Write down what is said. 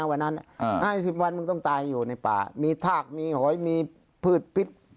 วันนั้น๕๐วันมึงต้องตายอยู่ในป่ามีทากมีหอยมีพืชพิษ